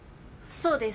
そうです。